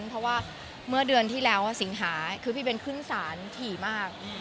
เพราะว่าเมื่อเดือนที่แล้วสิงหาคือพี่เบนขึ้นศาลถี่มาก